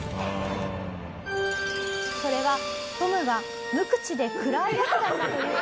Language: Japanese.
それはトムが無口で暗いヤツなんだという事。